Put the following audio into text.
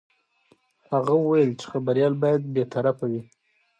هغه وویل چې خبریال باید بې طرفه وي.